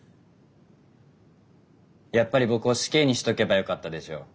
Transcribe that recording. やっぱり僕を死刑にしとけばよかったでしょ？